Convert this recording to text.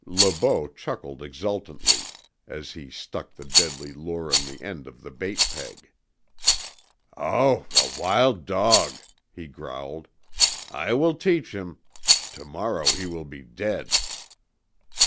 Le Beau chuckled exultantly as he stuck the deadly lure on the end of the bait peg. "OW, a wild dog," he growled. "I will teach him. To morrow he will be dead."